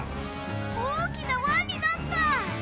大きな輪になった！